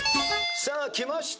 さあきました